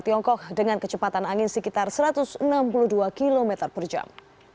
tiongkok dengan kecepatan angin sekitar satu ratus enam puluh dua km per jam